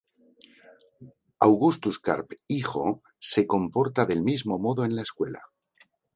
Augustus Carp hijo se comporta del mismo modo en la escuela.